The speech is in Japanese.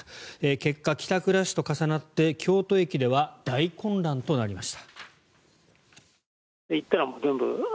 結果、帰宅ラッシュと重なって京都駅では大混乱となりました。